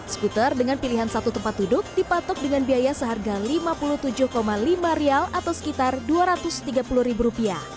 skuter dengan pilihan satu tempat duduk dipatok dengan biaya seharga rp lima puluh tujuh lima atau sekitar rp dua ratus tiga puluh